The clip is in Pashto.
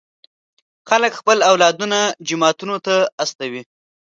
خلک خپل اولادونه جوماتونو ته استوي.